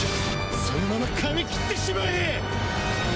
そのまま噛み切ってしまえ！